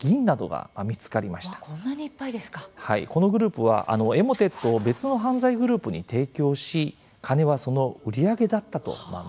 このグループはエモテットを別の犯罪グループに提供し金はその売り上げだったと見られています。